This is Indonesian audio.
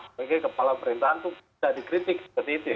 sebagai kepala pemerintahan itu bisa dikritik seperti itu ya